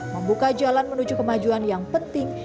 membuka jalan menuju kemajuan yang penting